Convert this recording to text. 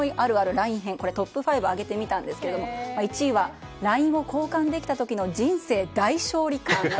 ＬＩＮＥ編トップ５を挙げてみたんですが１位はＬＩＮＥを交換できた時の人生大勝利感。